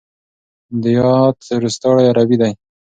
د يات روستاړی عربي دی.